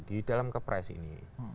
dalam kepres ini